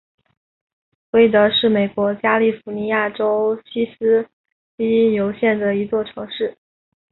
威德是美国加利福尼亚州锡斯基尤县的一座城市。